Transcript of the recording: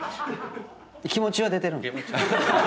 気持ちは出てるんで。